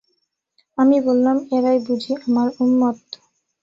আমি বললাম, এরাই বুঝি আমার উম্মত।